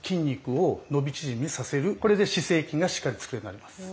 これで姿勢筋がしっかりつくようになります。